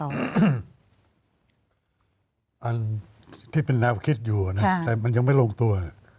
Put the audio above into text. อันที่เป็นแนวคิดอยู่นะแต่มันยังไม่ลงตัว